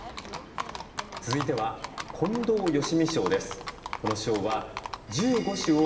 続いては近藤芳美賞です。